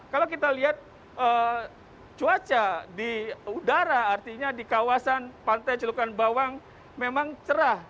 kalau kita lihat cuaca di udara artinya di kawasan pantai celukan bawang memang cerah